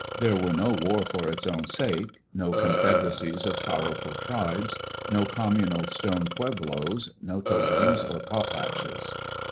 There were no war for its own sake, no confederacies of powerful tribes, no communal stone pueblos, no totems, or potlatches.